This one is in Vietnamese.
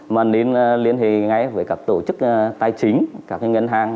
mà nên liên hệ ngay với các tổ chức tài chính các ngân hàng